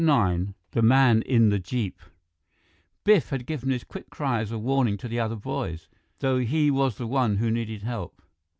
IX The Man in the Jeep Biff had given his quick cry as a warning to the other boys, though he was the one who needed help.